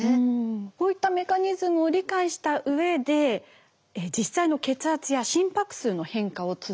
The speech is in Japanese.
こういったメカニズムを理解したうえで実際の血圧や心拍数の変化を続いて見ていこうと思います。